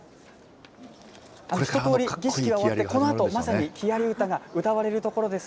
一通り儀式が終わって、まさに木遣り唄が歌われるところです。